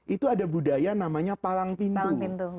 itu ada budaya namanya palang pintu